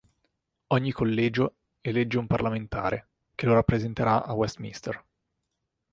Ogni collegio elegge un parlamentare, che lo rappresenterà a Westminster.